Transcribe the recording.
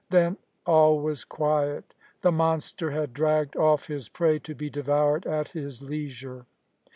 Then all was quiet. The monster had dragged off his prey to be devoured at his leisure.